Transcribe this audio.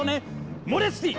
モレツティ！